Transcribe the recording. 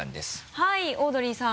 はいオードリーさん。